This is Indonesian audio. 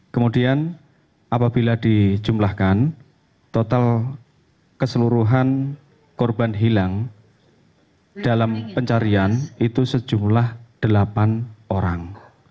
kemudian apabila dijumlahkan total keseluruhan korban hilang dalam pencarian itu sejumlah delapan orang